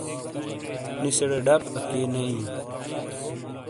نِیسیڑے ڈب اکی نے ایئں۔